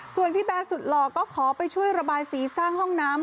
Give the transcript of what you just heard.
ส่วนพี่แบร์สุดหล่อก็ขอไปช่วยระบายสีสร้างห้องน้ำ